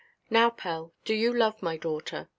"Now, Pell, do you love my daughter?